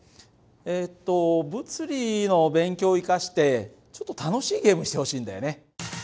えっと物理の勉強を生かしてちょっと楽しいゲームしてほしいんだよね。